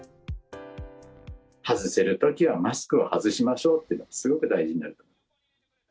外せるときはマスクを外しましょうっていうのは、すごく大事になってくる。